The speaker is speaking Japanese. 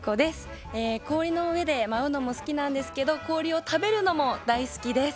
氷の上で舞うのも好きなんですけど氷を食べるのも大好きです。